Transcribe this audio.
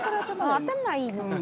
頭いいの。